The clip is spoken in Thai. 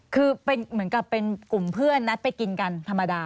คือเป็นเหมือนกับเป็นกลุ่มเพื่อนนัดไปกินกันธรรมดา